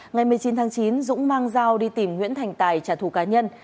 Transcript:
ngày một mươi chín tháng chín dũng mang dao đi tìm nguyễn thành tài trả thù cá nhân